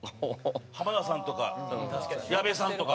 浜田さんとか矢部さんとか。